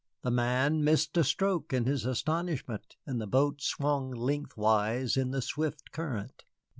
The man missed a stroke in his astonishment, and the boat swung lengthwise in the swift current.